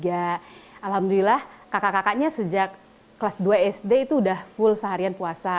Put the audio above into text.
alhamdulillah kakak kakaknya sejak kelas dua sd itu udah full seharian puasa